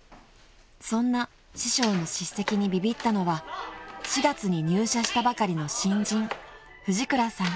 ［そんな師匠の叱責にビビったのは４月に入社したばかりの新人藤倉さん］